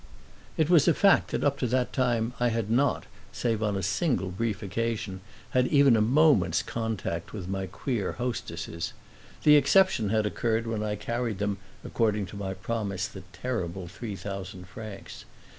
It was a fact that up to that time I had not, save on a single brief occasion, had even a moment's contact with my queer hostesses. The exception had occurred when I carried them according to my promise the terrible three thousand francs.